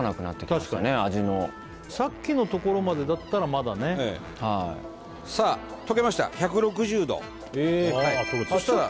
確かに味のさっきのところまでだったらまだねはいさあ溶けました１６０度ああ溶けてるあっ